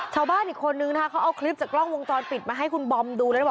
ชาวบ้านอีกคนนึงนะคะเขาเอาคลิปจากกล้องวงจรปิดมาให้คุณบอมดูแล้วบอก